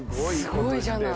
すごいじゃない。